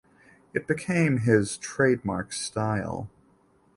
It became his trademark style.